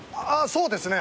そうですか。